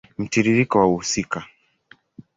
Mtiririko wa wahusika